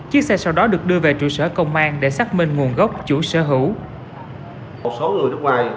chiếc xe sau đó được đưa về trụ sở công an để xác minh nguồn gốc chủ sở hữu